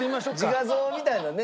自画像みたいなね。